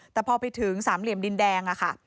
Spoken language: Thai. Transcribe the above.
แต่พอไปถึงสามเหลี่ยมดินแดงค่ะ